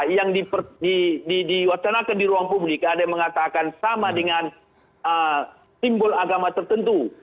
yang diwacanakan di ruang publik ada yang mengatakan sama dengan simbol agama tertentu